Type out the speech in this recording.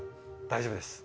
大丈夫です。